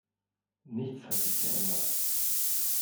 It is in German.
Nichts hat sich geändert.